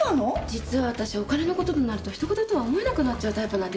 実はわたしお金のこととなるとひと事とは思えなくなっちゃうタイプなんですよね。